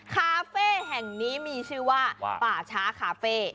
คาเฟ่แห่งนี้มีชื่อว่าป่าช้าคาเฟ่